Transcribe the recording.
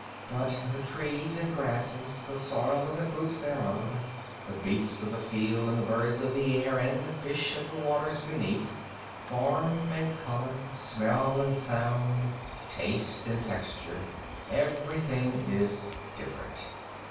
_But the trees and grasses, the soil and the fruits thereof, the beasts of the field and the birds of the air and the fish of the waters beneath, form and color, smell and sound, taste and texture, everything is different.